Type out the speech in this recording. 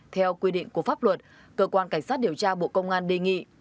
theo quy định của pháp luật cơ quan cảnh sát điều tra bộ công an đề nghị